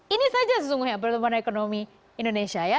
ini saja sesungguhnya pertumbuhan ekonomi indonesia ya